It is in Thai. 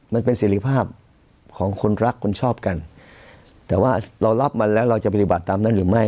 มันเป็นสิริภาพของคนรักคนชอบกันแต่ว่าเรารับมันแล้วเราจะปฏิบัติตามนั้นหรือไม่